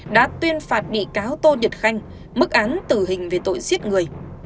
đã tuyên phạt bị cáo tô nhật khanh mức án tử hình về tội giết người